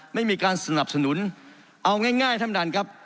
ไม่มีการสนับสนุนเอาง่ายท่านดันครับ